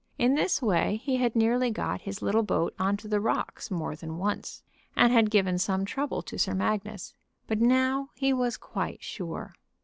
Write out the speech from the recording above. In this way he had nearly got his little boat on to the rocks more than once, and had given some trouble to Sir Magnus. But now he was quite sure.